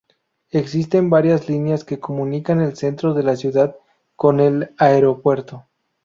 Existen varias líneas que comunican el centro de la ciudad con el aeropuerto.